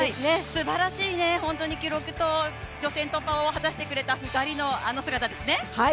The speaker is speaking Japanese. すばらしい記録と、予選突破を果たしてくれた、２人のあの姿ですね。